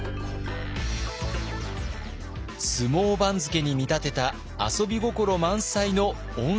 相撲番付に見立てた遊び心満載の温泉番付。